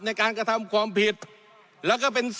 ในการกระทำความผิดแล้วก็เป็น